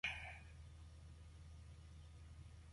She appeared in many Broadway shows including "A Night in Spain".